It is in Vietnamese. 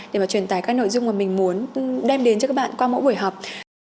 để mà truyền tải các nội dung mà mình muốn đem đến cho các bạn qua mỗi buổi họp